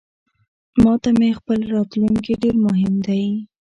ماته مې خپل راتلونکې ډیرمهم دی